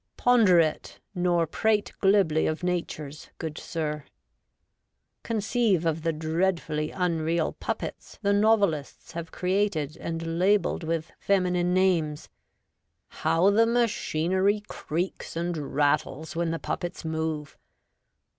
Ponder it, nor prate glibly of natures, good sir ! Conceive of the dreadfully unreal puppets the novelists have created and labelled with feminine names. How the machinery creaks and rattles when the puppets move